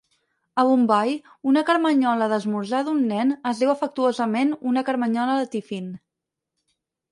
A Bombai, una carmanyola d'esmorzar d'un nen es diu afectuosament una carmanyola de Tiffin.